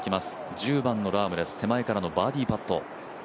１０番のラームです、手前からのバーディーパット。